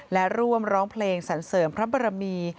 และร่วมร้องเพลงสรรเสริมพระบรมี